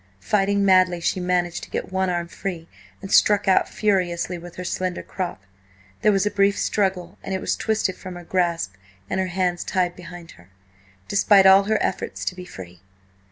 Fighting madly, she managed to get one arm free, and struck out furiously with her slender crop. There was a brief struggle, and it was twisted from her grasp, and her hands tied behind her, despite all her efforts to be free.